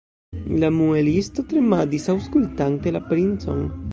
La muelisto tremadis, aŭskultante la princon.